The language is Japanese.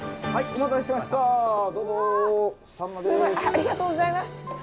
ありがとうございます。